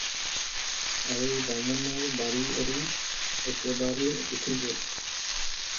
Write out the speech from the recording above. আৰু বামুণৰ বাৰী এৰি একেবাৰেই উঠি গ'ল।